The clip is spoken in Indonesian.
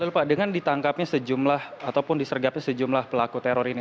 lalu pak dengan ditangkapnya sejumlah ataupun disergapnya sejumlah pelaku teror ini